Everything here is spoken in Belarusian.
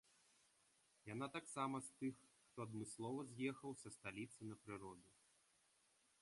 Яна таксама з тых, хто адмыслова з'ехаў са сталіцы на прыроду.